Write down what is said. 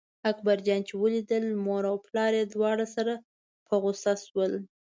اکبر جان چې ولیدل مور او پلار یې دواړه سره په غوسه شول.